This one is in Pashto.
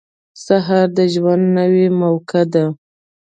• سهار د ژوند نوې موقع ده.